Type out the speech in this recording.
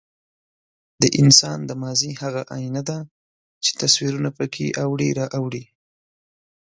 د انسان د ماضي هغه ایینه ده، چې تصویرونه پکې اوړي را اوړي.